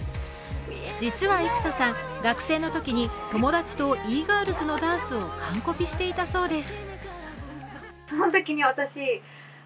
実は幾田さん、学生のときに友達とＥ−ｇｉｒｌｓのダンスを完コピしていたそうです。